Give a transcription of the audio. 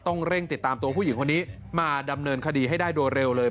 เร่งติดตามตัวผู้หญิงคนนี้มาดำเนินคดีให้ได้โดยเร็วเลย